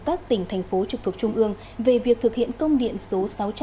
các tỉnh thành phố trực thuộc trung ương về việc thực hiện công điện số sáu trăm tám mươi